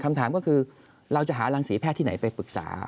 คำถามก็คือเราจะหารังศรีแพทย์ที่ไหนไปปรึกษา